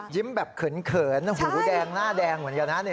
ยิ้มแบบเขินเขินหูแดงหน้าแดงเหมือนกันนะ